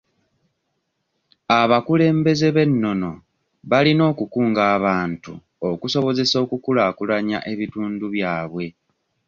Abakulembeze b'ennono balina okukunga abantu okusobozesa okukulaakulanya ebitundu byabwe.